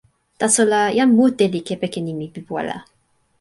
taso la, jan mute li kepeken nimi pi pu ala.